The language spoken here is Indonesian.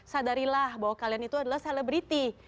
sadarilah bahwa kalian itu adalah selebriti